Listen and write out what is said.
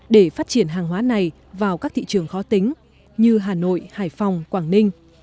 để phát triển hàng hóa này vào các thị trường khó tính như hà nội hải phòng quảng ninh